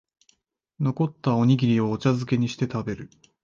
残ったおにぎりをお茶づけにして食べる